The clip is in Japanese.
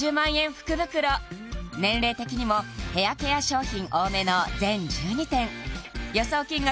福袋年齢的にもヘアケア商品多めの全１２点予想金額